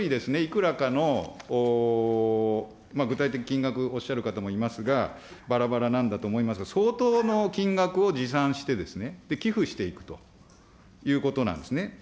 １人いくらかの具体的金額、おっしゃる方もいますが、ばらばらなんだと思いますが、相当の金額を持参してですね、寄付していくということなんですね。